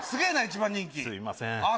すみません。